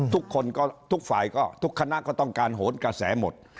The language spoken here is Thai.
ทุกคนก็ทุกฝ่ายก็ทุกคณะก็ต้องการโหนกระแสหมด